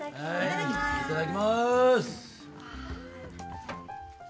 いただきまーす。